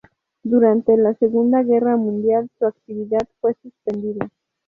Durante la Segunda Guerra Mundial, su actividad fue suspendida.